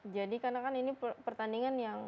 jadi karena kan ini pertandingan yang